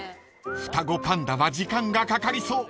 ［双子パンダは時間がかかりそう］